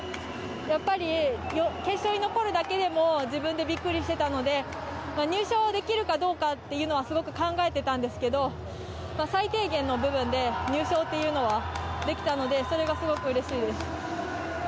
決勝に残るだけでも自分でビックリしてたので入賞できるかどうかというのはすごく考えてたんですけど最低限の部分で入賞というのはできたのでそれがすごくうれしいです。